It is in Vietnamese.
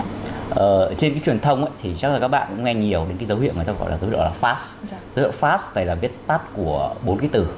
ờ trên cái truyền thông ấy thì chắc là các bạn cũng nghe nhiều đến cái dấu hiệu mà chúng ta gọi là dấu hiệu là fast dấu hiệu fast này là viết tắt của bốn cái từ